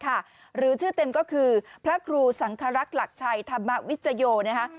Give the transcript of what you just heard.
หรือชื่อเต็มก็คือพระครูสังครักษ์หลักชัยธรรมวิจโยนะคะ